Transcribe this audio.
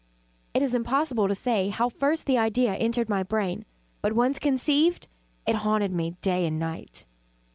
It is impossible to say how first the idea entered my brain; but once conceived, it haunted me day and night.